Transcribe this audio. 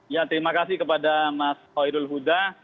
ya terima kasih kepada mas hoirul huda